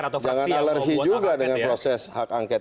tidak apa apa jangan alergi juga dengan proses hak angket